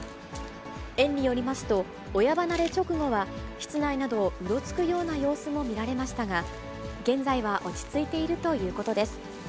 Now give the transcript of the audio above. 園によりますと、親離れ直後は室内などをうろつくような様子も見られましたが、現在は落ち着いているということです。